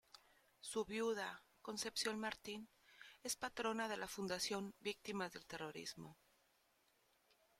Su viuda, Concepción Martín, es patrona de la Fundación Víctimas del Terrorismo.